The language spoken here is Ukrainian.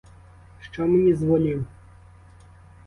Що мені з волів?